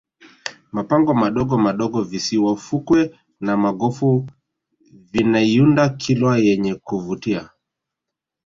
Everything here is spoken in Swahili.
mapango madogomadogo visiwa fukwe na magofu vinaiunda kilwa yenye kuvutia